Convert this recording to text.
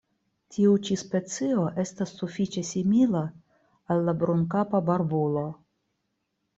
Tiu ĉi specio estas sufiĉe simila al la Brunkapa barbulo.